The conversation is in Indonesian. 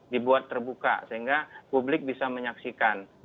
dibuat terbuka sehingga publik bisa menyaksikan